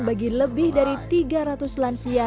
bagi lebih dari tiga ratus lansia